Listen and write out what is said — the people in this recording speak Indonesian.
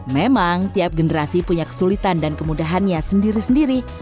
memang tiap generasi punya kesulitan dan kemudahannya sendiri sendiri